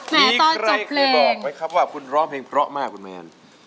มีใครอีกที่บอกไว้ครับว่าคุณร้องเพลงเพราะข้ามากมั้ย